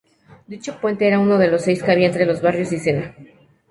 Dicho puente era uno de los seis que había entre Los Barrios y Sena.